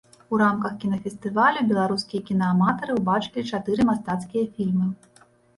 У рамках кінафестывалю беларускія кінааматары убачылі чатыры мастацкія фільмы.